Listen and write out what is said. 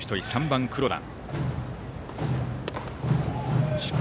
３番、黒田。